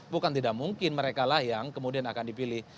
bukan tidak mungkin mereka lah yang kemudian akan dipilih